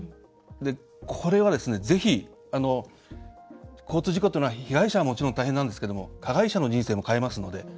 これは、ぜひ交通事故というのは被害者はもちろん大変なんですけど加害者の人生も変えますので。